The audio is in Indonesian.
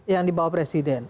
yang dibawa presiden